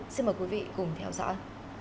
xin mời quý vị cùng theo dõi